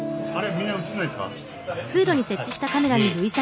みんな映らないんですか？